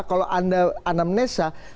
kalau anda anam nessa